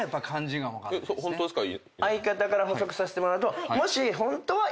相方から補足させてもらうと。